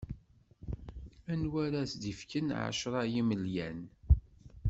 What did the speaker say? Anwa ara as-d-ifken ɛecra n yimelyan?